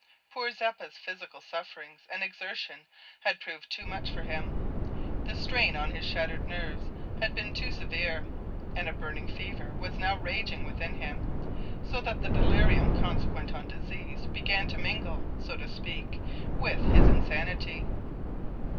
Poor Zeppa's physical sufferings and exertion had proved too much for him; the strain on his shattered nerves had been too severe, and a burning fever was now raging within him, so that the delirium consequent on disease began to mingle, so to speak, with his insanity.